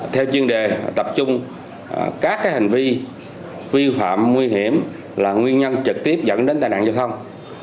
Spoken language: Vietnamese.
theo chuyên đề tập trung các hành vi vi phạm nguy hiểm là nguyên nhân trực tiếp dẫn đến tai nạn giao thông